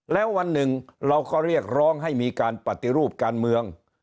แล้ววันหนึ่งเราก็เรียกร้องให้มีการปฏิรูปการเมือง